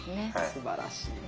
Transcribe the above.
すばらしいなぁ。